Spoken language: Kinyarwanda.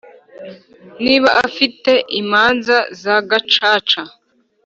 Ni abafite imanza za gacaca